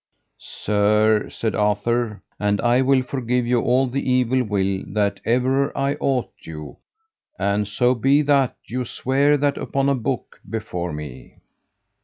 Sir, said Arthur, and I will forgive you all the evil will that ever I ought you, an so be that you swear that upon a book before me.